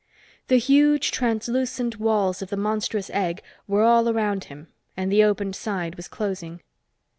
The huge, translucent walls of the monstrous egg were all around him and the opened side was closing.